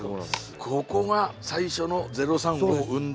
ここが最初の０３を生んだ。